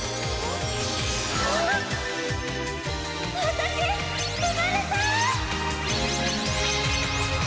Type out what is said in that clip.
私生まれた！